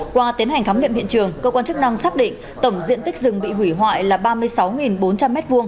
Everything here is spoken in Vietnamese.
qua tiến hành khám nghiệm hiện trường cơ quan chức năng xác định tổng diện tích rừng bị hủy hoại là ba mươi sáu bốn trăm linh m hai